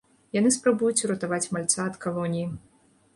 Яны спрабуюць уратаваць мальца ад калоніі.